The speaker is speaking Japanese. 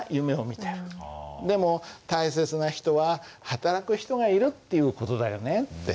でも大切な人は働く人がいるっていう事だよねって。